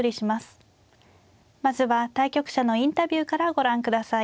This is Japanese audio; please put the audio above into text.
まずは対局者のインタビューからご覧ください。